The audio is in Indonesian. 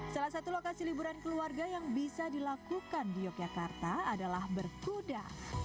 salah satu lokasi liburan keluarga yang bisa dilakukan di yogyakarta adalah berkuda